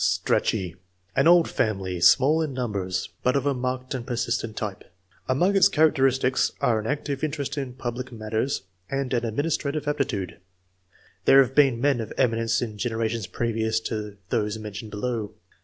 Stkachey. — An old family, small in num bers, but of a marked and persistent type. 1.] ANTECEDENTS. 59 Among its characteristics are an active interest in public matters, and an administrative aptitude. There have been men of eminence in genera tions previous to those mentioned below.